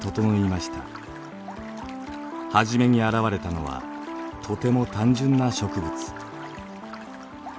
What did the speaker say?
はじめに現れたのはとても単純な植物。